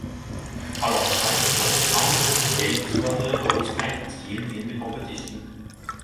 Alongside Slough Town, Yate were the lowest ranked team in the competition.